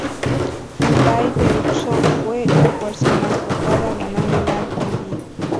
En Vall de Uxó fue la fuerza más votada, ganando la alcaldía.